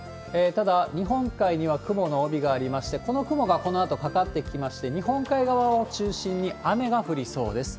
ただ、日本海には雲の帯がありまして、この雲がこのあとかかってきまして、日本海側を中心に、雨が降りそうです。